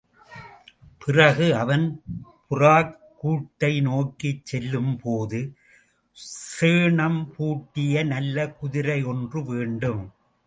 பிறகு அவன் புறாக்கூட்டை நோக்கிச் செல்லும்போது, சேணம் பூட்டிய நல்ல குதிரை ஒன்று வேண்டும்.